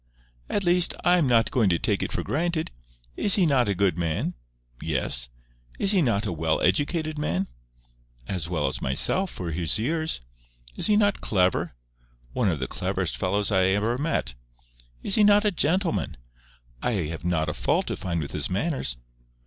"At least, I am not going to take it for granted. Is he not a good man?" "Yes." "Is he not a well educated man?" "As well as myself—for his years." "Is he not clever?" "One of the cleverest fellows I ever met" "Is he not a gentleman?" "I have not a fault to find with his manners."